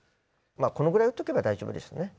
このぐらい打っておけば大丈夫ですね。